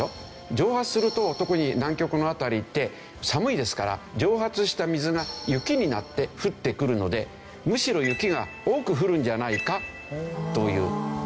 蒸発すると特に南極の辺りって寒いですから蒸発した水が雪になって降ってくるのでむしろ雪が多く降るんじゃないかという。